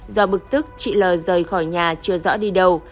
do bực tức chị l rời khỏi nhà chưa rõ đi đầu